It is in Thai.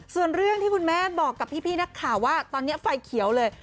ส่วนเรื่องที่คุณแม่บอกกับพี่นักข่าวว่าตอนนี้ไฟเขียวเลย